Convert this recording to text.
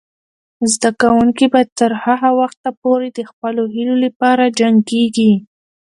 زده کوونکې به تر هغه وخته پورې د خپلو هیلو لپاره جنګیږي.